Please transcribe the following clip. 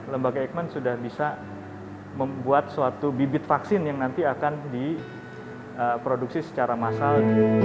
lembaga eijkman sudah bisa membuat suatu bibit vaksin yang nanti akan diproduksi secara massal